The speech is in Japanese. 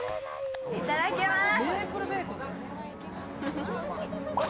いただきまーす。